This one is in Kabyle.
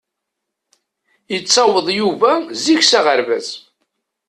Yettaweḍ Yuba zik s aɣerbaz.